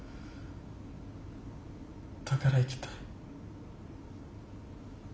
だから生きたい。